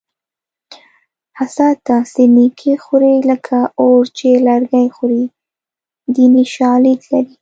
حسد داسې نیکي خوري لکه اور چې لرګي خوري دیني شالید لري